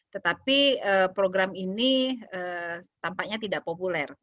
tetapi program ini tampaknya tidak populer